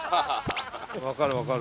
・分かる分かる。